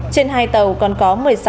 trên hai tàu còn có một mươi sáu thuyền viên